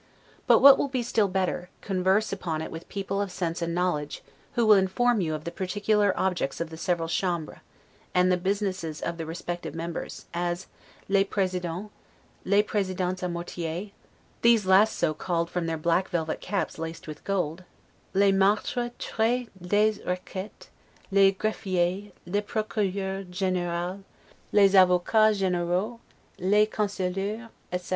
But what will be still better, converse upon it with people of sense and knowledge, who will inform you of the particular objects of the several chambres, and the businesses of the respective members, as, 'les Presidens, les Presidens a Mortier' (these last so called from their black velvet caps laced with gold), 'les Maitres tres des Requetes, les Greffiers, le Procureur General, les Avocats Generaux, les Conseillers', etc.